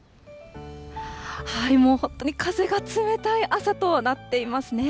もう本当に風が冷たい朝となっていますね。